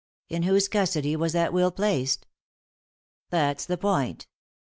" In whose custody was that will placed J "" That's the point.